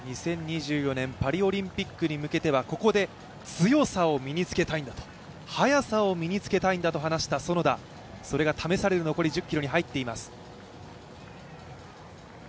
２０２４年パリオリンピックに向けてはここで強さを身につけたいんだと、速さを身につけたいんだと話していた園田、それが試される残り１０ｋｍに入っています。